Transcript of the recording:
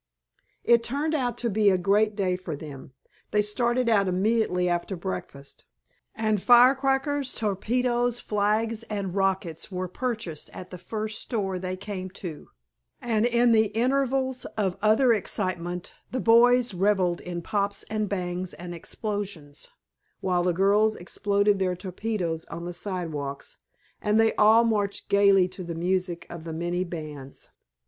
It turned out to be a great day for them. They started out immediately after breakfast, and firecrackers, torpedoes, flags, and rockets were purchased at the first store they came to, and in the intervals of other excitement the boys revelled in pops and bangs and explosions, while the girls exploded their torpedoes on the sidewalks, and they all marched gaily to the music of many bands.